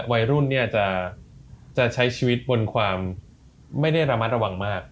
วัยรุ่นเนี่ยจะใช้ชีวิตบนความไม่ได้ระมัดระวังมาก